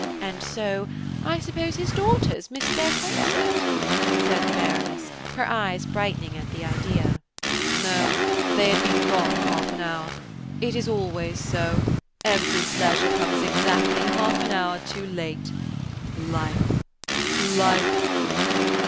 And so I suppose his daughters missed their concert," said the Baroness, her eyes brightening at the idea. "No, they had been gone half an hour. It is always so, every pleasure comes exactly half an hour too late–Life! Life!"